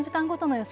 予想